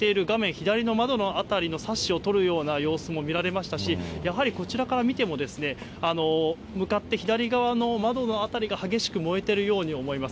左の窓の辺りのサッシを取るような様子も見られましたし、やはりこちらから見ても、向かって左側の窓の辺りが激しく燃えているように思います。